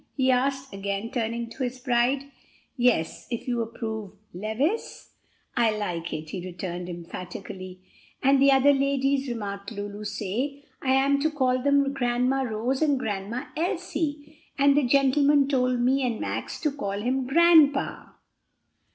he asked, again turning to his bride. "Yes, if you approve, Levis?" "I like it!" he returned emphatically. "And the other ladies," remarked Lulu, "say I am to call them Grandma Rose and Grandma Elsie. And the gentleman told me and Max to call him grandpa."